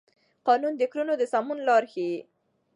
قانون د کړنو د سمون لار ښيي.